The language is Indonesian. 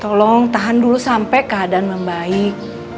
tolong tahan dulu sampai keadaan membaik